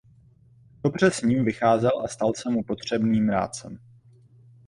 Dobře s ním vycházel a stal se mu potřebným rádcem.